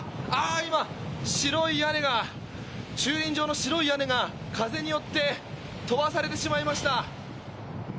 今、駐輪場の白い屋根が風によって飛ばされてしまいました。